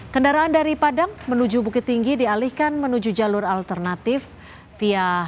kendaraan dari padang menuju bukit tinggi dialihkan menuju jalur alternatif via